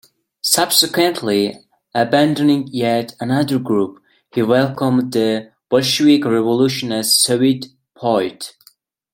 Subsequently, abandoning yet another group, he welcomed the Bolshevik revolution as a Soviet poet.